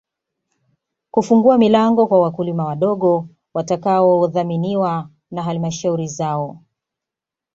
Kufungua milango kwa wakulima wadogo watakaodhaminiwa na Halmashauri zao